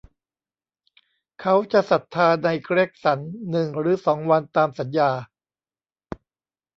เขาจะศรัทธาในเกรกสันหนึ่งหรือสองวันตามสัญญา